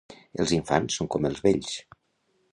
Els infants són com els vells.